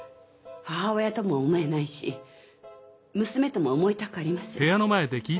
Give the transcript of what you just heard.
母親とも思えないし娘とも思いたくありません。